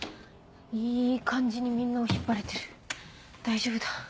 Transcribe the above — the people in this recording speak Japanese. いい感じにみんなを引っ張れてる大丈夫だ。